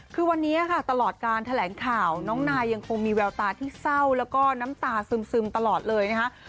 คือวันนี้ค่ะตลอดการแถลงข่าวน้องนายยังคงมีแววตาที่เศร้าแล้วก็น้ำตาซึมตลอดเลยนะคะ